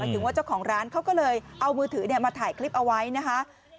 ถึงว่าเจ้าของร้านเขาก็เลยเอามือถือมาถ่ายคลิปเอาไว้นะคะ